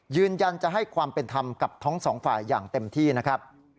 ยืนยันจะให้ความเป็นธรรมกับทั้งสองฝ่ายอย่างเต็มที่นะครับ